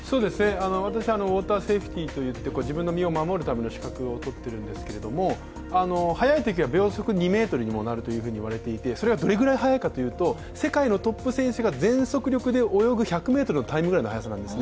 私、ウォーターセーフティーといって自分の身を守るための資格をとっているんですけど、速いときは秒速２メートルにもなるといわれていてそれはどれぐらい速いかというと、世界のトップ選手が全速力で泳ぐときのタイムぐらいです